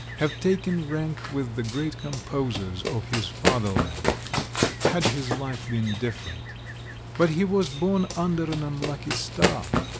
have taken rank with the great composers of his fatherland, had his life been different; but he was born under an unlucky star!